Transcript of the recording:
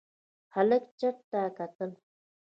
هلک چت ته کتل.